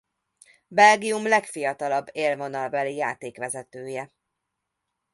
Belgium legfiatalabb élvonalbeli játékvezetője.